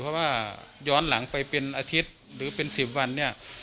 เพราะว่าย้อนหลังไปเป็นอาทิตย์หรือเป็น๑๐วันเนี่ย